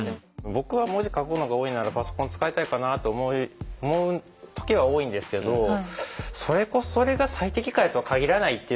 僕は文字書くのが多いならパソコン使いたいかなって思う時が多いんですけどそれが最適解とは限らないっていうのは確かで。